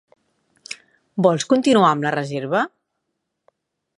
Vol continuar amb la reserva?